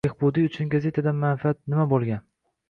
Behbudiy uchun gazetadan manfaat nima bo‘lgan?